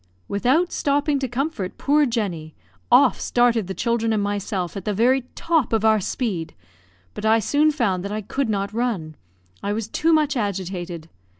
Without stopping to comfort poor Jenny, off started the children and myself, at the very top of our speed; but I soon found that I could not run I was too much agitated.